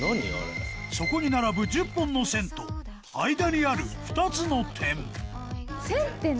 そこに並ぶ１０本の線と間にある２つの点線って何？